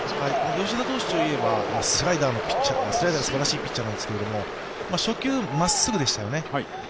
吉田投手といえばスライダーがすばらしいピッチャーなんですが、初球、まっすぐでしたよね。